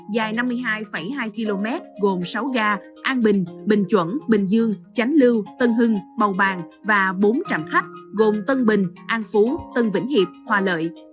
dài năm mươi hai hai km gồm sáu ga an bình bình chuẩn bình dương chánh lưu tân hưng bầu bàng và bốn trạm khách gồm tân bình an phú tân vĩnh hiệp hòa lợi